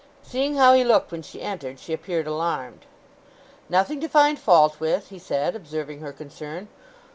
Seeing how he looked when she entered she appeared alarmed. "Nothing to find fault with," he said, observing her concern.